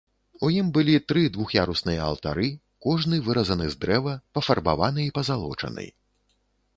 У ім былі тры двух'ярусныя алтары, кожны выразаны з дрэва, пафарбаваны і пазалочаны.